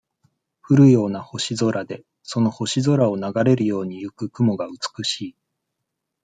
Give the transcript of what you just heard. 降るような星空で、その星空を流れるように行く雲が美しい。